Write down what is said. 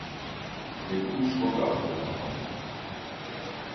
Les pousses repartent au printemps.